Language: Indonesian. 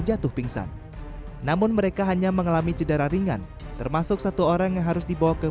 jatuh pingsan namun mereka hanya mengalami cedera ringan termasuk satu orang yang harus dibawa ke